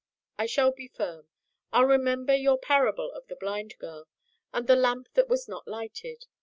I shall be firm. I'll remember your parable of the blind girl and the lamp that was not lighted.